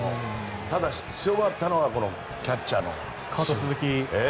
ただ、強かったのはキャッチャーのカート・スズキ。